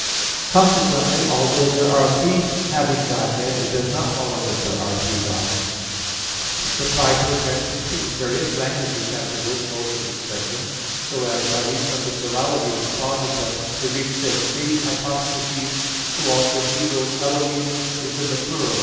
Consequently, although there are "three having Godhead," it does not follow that there are three Gods. Reply Obj. 2: Various languages have diverse modes of expression. So as by reason of the plurality of supposita the Greeks said "three hypostases," so also in Hebrew "Elohim" is in the plural.